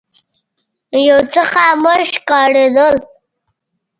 یو څه خاموش ښکارېدل.